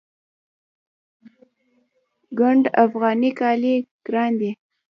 ګنډ افغاني کالي ګران دي